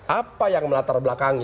apa yang melatar belakangnya